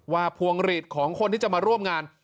พวงหลีดของคนที่จะมาร่วมงาน